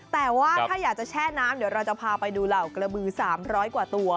แต่ว่าถ้าอยากจะแช่น้ำเดี๋ยวเราจะพาไปดูเหล่ากระบือ๓๐๐กว่าตัว